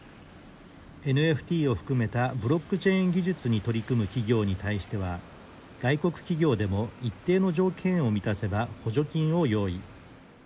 ＮＦＴを含めたブロックチェーン技術に取り組む企業に対しては外国企業でも一定の条件を満たせば補助金を用意。